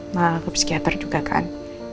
nah ke psikiater juga kan